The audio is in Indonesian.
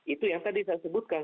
itu yang tadi saya sebutkan